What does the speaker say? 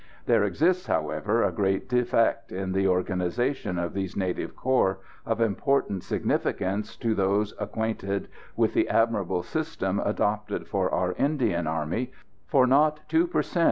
There exists, however, a great defect in the organisation of these native corps, of important significance to those acquainted with the admirable system adopted for our Indian army, for not two per cent.